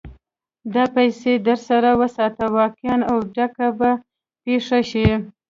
دا پيسې در سره وساته؛ واقعه او ډکه به پېښه شي.